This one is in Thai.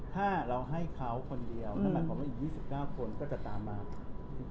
ถ้าเราให้เขาคนเดียวนานหลักบอกว่าอีก๒๙คน